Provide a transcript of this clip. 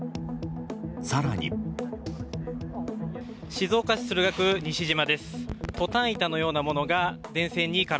静岡市駿河区西島です。